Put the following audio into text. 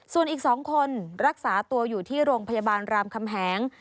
ส่วนอีก๒คนรักษาตัวอยู่ที่โรงพยาบาลรามคำแหง